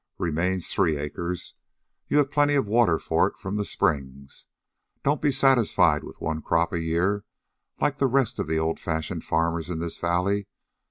Remains three acres. You have plenty of water for it from the springs. Don't be satisfied with one crop a year, like the rest of the old fashioned farmers in this valley.